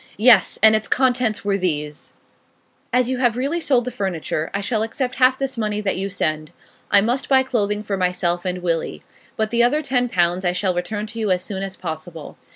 Yes, and its contents were these: 'As you have really sold the furniture, I shall accept half this money that you send. I must buy clothing for myself and Willie. But the other ten pounds I shall return to you as soon as possible.